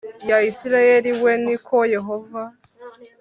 Ya isirayeli we ni ko yehova